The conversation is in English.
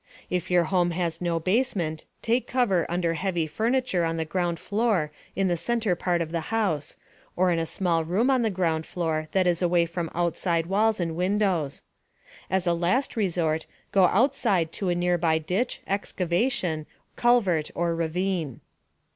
If your home has no basement, take cover under heavy furniture on the ground floor in the center part of the house, or in a small room on the ground floor that is away from outside walls and windows. (As a last resort, go outside to a nearby ditch, excavation, culvert or ravine.)